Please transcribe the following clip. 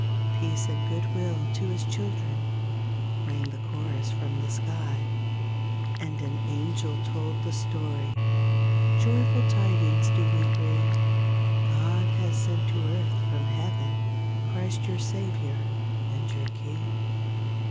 Peace and good will to His children," Rang the chorus from the sky. And an angel told the story, "Joyful tidings do we bring God has sent to earth from heaven, Christ, your Savior, and your King.